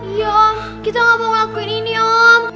iya kita ga mau ngelakuin ini om